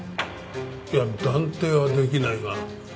いや断定は出来ないが。